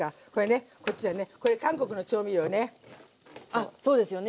あっそうですよね